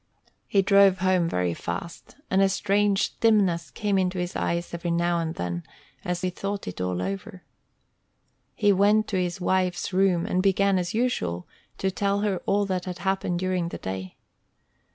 He drove home very fast, and a strange dimness came into his eyes every now and then, as he thought it all over. He went to his wife's room, and began, as usual, to tell her all that had happened during the day.